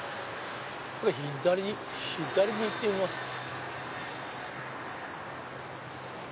左左に行ってみますか。